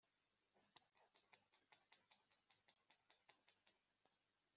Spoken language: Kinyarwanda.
ibinyabiziga bigendesha amapine ane